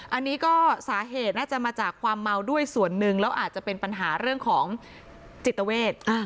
อันนี้ก็สาเหตุน่าจะมาจากความเมาด้วยส่วนหนึ่งแล้วอาจจะเป็นปัญหาเรื่องของจิตเวท